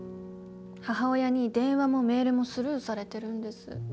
母親に電話もメールもスルーされているんです。